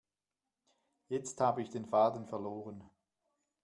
Jetzt habe ich den Faden verloren.